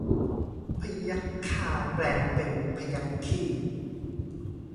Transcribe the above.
พยัคฆาแปลงเป็นพยัคฆี